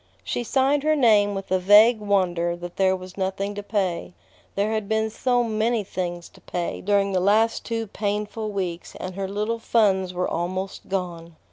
She signed her name with a vague wonder that there was nothing to pay. There had been so many things to pay during the last two painful weeks, and her little funds were almost gone.